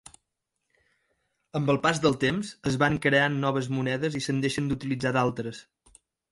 Amb el pas del temps, es van creant noves monedes i se'n deixen d'utilitzar d'altres.